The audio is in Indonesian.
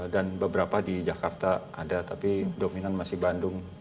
dan beberapa di jakarta ada tapi dominan masih bandung